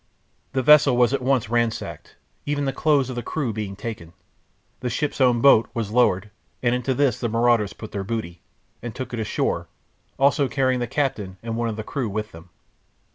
The vessel was at once ransacked, even the clothes of the crew being taken. The ship's own boat was lowered, and into this the marauders put their booty, and took it ashore, also carrying the captain and one of the crew with them.